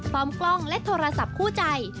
พร้อมกล้องและโทรศัพท์คู่ใจ